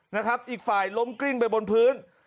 นะครับอีกฝ่ายล้มกลิ้งไปบนพื้น